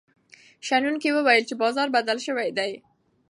شنونکي وویل چې بازار بدل شوی دی.